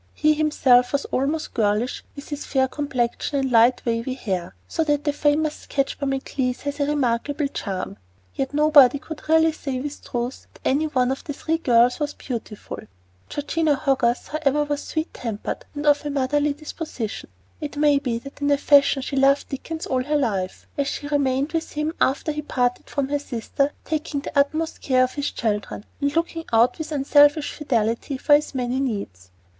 He himself was almost girlish, with his fair complexion and light, wavy hair, so that the famous sketch by Maclise has a remarkable charm; yet nobody could really say with truth that any one of the three girls was beautiful. Georgina Hogarth, however, was sweet tempered and of a motherly disposition. It may be that in a fashion she loved Dickens all her life, as she remained with him after he parted from her sister, taking the utmost care of his children, and looking out with unselfish fidelity for his many needs.